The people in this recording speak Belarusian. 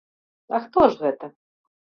А хто ж гэта?